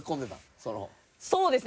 そうですね。